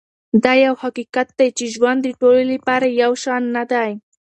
دا یو حقیقت دی چې ژوند د ټولو لپاره یو شان نه دی.